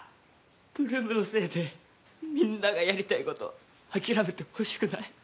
８ＬＯＯＭのせいでみんながやりたいこと、諦めてほしくない。